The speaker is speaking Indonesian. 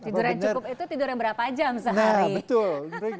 tiduran cukup itu tiduran berapa jam sehari